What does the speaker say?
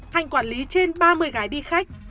hạnh quản lý trên ba mươi gái đi khách